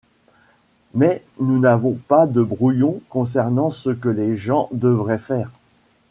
Mais nous n'avons pas de brouillons concernant ce que les gens devraient faire.